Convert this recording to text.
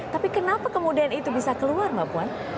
tapi kenapa kemudian itu bisa keluar mbak puan